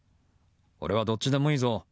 俺はどっちでもいいぞ？